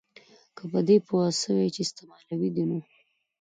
که په دې پوه سوې چي استعمالوي دي نو